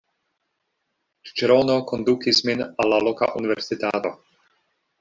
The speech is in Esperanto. Ĉiĉerono kondukis min al la loka universitato.